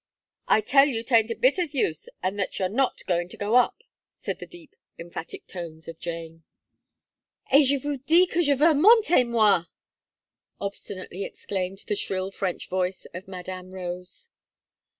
"I tell you 'taint a bit of use, and that you're not going to go up," said the deep, emphatic tones of Jane. "Et je vous dis que je veux monter, moi!" obstinately exclaimed the shrill French voice of Madame Rose.